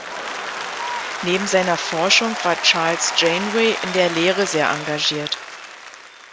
Neben seiner Forschung war Charles Janeway in der Lehre sehr engagiert.